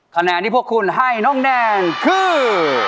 คะแนนที่พวกคุณให้น้องแนนคือ